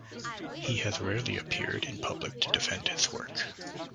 He has rarely appeared in public to defend his work.